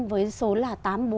với số là tám mươi bốn